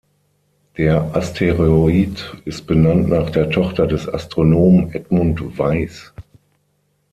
Der Asteroid ist benannt nach der Tochter des Astronomen Edmund Weiss.